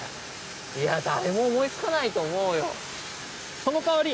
いや誰も思いつかないと思うよ。